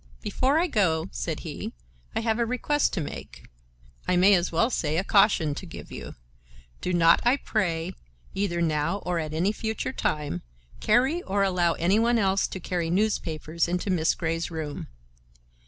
"Before I go," said he, "I have a request to make—I may as well say a caution to give you. Do not, I pray, either now or at any future time, carry or allow any one else to carry newspapers into Miss Grey's room.